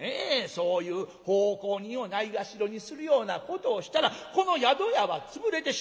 『そういう奉公人をないがしろにするようなことをしたらこの宿屋は潰れてしまう。